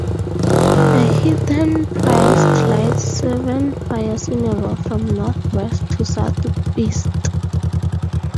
A heathen priest lights seven fires in a row from northwest to southeast.